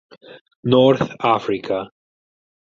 North Africa.